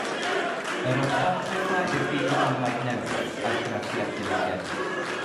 Yr Apocryffa i'r Beibl Cymraeg Newydd, argraffiad diwygiedig.